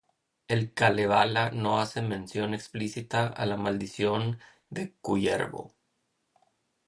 El Kalevala no hace mención explícita a la maldición de Kullervo.